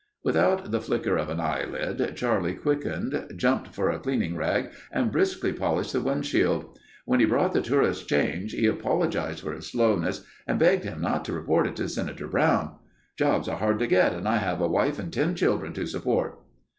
Without the flicker of an eyelid, Charlie quickened, jumped for a cleaning rag and briskly polished the windshield. When he brought the tourist's change he apologized for his slowness and begged him not to report it to Senator Brown. "Jobs are hard to get and I have a wife and ten children to support."